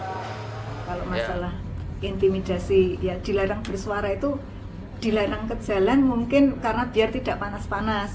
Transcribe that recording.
kalau masalah intimidasi ya dilarang bersuara itu dilarang ke jalan mungkin karena biar tidak panas panas